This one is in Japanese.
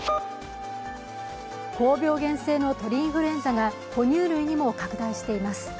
高病原性の鳥インフルエンザが哺乳類にも拡大しています。